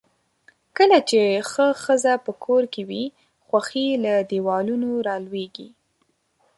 کله چې ښه ښځۀ پۀ کور کې وي، خؤښي له دیوالونو را لؤیږي.